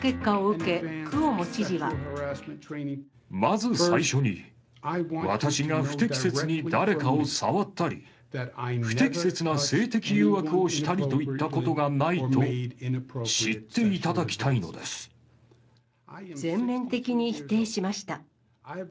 まず最初に、私が不適切に誰かを触ったり、不適切な性的誘惑をしたりといったことがないと知っていただきた全面的に否定しました。